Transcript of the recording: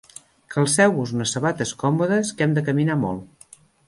Calceu-vos unes sabates còmodes, que hem de caminar molt.